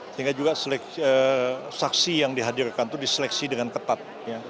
sehingga juga saksi yang dihadirkan itu diseleksi dengan ketat